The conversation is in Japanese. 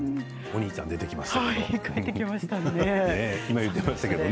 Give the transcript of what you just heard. お兄ちゃん、出てきましたけど。